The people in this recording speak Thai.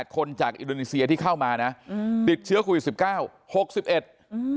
๗๘คนจากอินโดนีเซียที่เข้ามานะติดเชื้อควิว๑๙๖๑